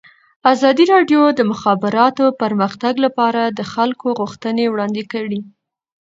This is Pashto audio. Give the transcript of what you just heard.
ازادي راډیو د د مخابراتو پرمختګ لپاره د خلکو غوښتنې وړاندې کړي.